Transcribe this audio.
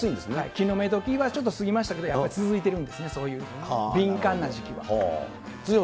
ひのめどきはちょっと過ぎましたけど、そのときは続いてるんですね、そういう敏感な時期は。